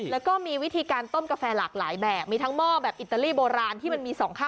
แล้วก็มีวิธีการต้มกาแฟหลากหลายแบบมีทั้งหม้อแบบอิตาลีโบราณที่มันมีสองข้าง